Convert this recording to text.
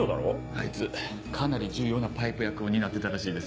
あいつかなり重要なパイプ役を担ってたらしいです。